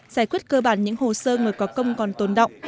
giải quyết cơ bản những hồ sơ người có công còn tồn động